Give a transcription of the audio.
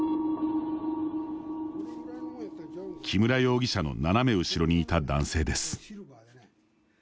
木村容疑者の斜め後ろにいた男性です。